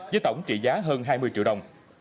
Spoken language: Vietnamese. với tổng trị giá hơn hai mươi triệu đồng